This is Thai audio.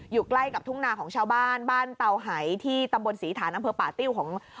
อยู่ใกล้กับทุ่งนาของชาวบ้านบ้านเตาหายที่ตำบลศรีฐานอำเภอป่าติ้วของ